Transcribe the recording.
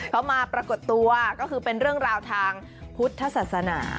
เขามาปรากฏตัวก็คือเป็นเรื่องราวทางพุทธศาสนา